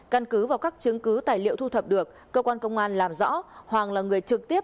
căn cứ vào các chứng cứ tài liệu thu thập được cơ quan công an làm rõ hoàng là người trực tiếp